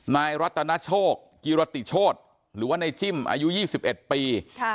นายรัตนโชคกิรติโชธหรือว่าในจิ้มอายุ๒๑ปี